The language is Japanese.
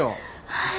はい。